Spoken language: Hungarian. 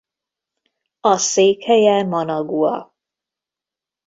A székhelye Managua.